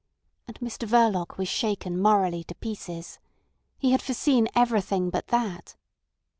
And Mr Verloc was shaken morally to pieces. He had foreseen everything but that.